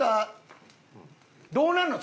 どうなんの？